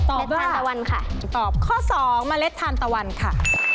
ตอบด้วยล่ะค่ะตอบข้อสองเมล็ดทานตะวันค่ะ